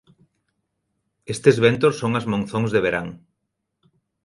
Estes ventos son as monzóns de verán.